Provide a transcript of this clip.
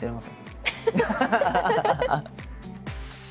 ハハハハ！